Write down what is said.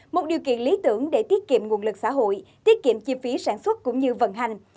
một điều kiện lý tưởng để tiết kiệm nguồn lực xã hội tiết kiệm chi phí sản xuất cũng như vận hành